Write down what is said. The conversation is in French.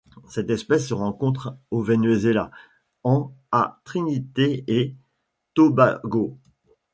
Cette espèce se rencontre au Venezuela en à Trinité-et-Tobago.